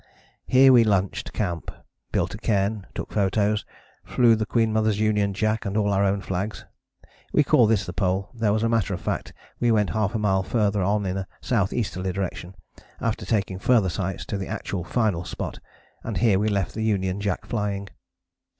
Here we lunched camp: built a cairn: took photos: flew the Queen Mother's Union Jack and all our own flags. We call this the Pole, though as a matter of fact we went ½ mile farther on in a S. easterly direction after taking further sights to the actual final spot, and here we left the Union Jack flying.